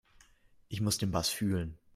Ich muss den Bass fühlen.